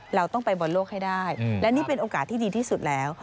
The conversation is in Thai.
เราต้องไปบอลโลกให้ได้และนี่เป็นโอกาสที่ดีที่สุดแล้ว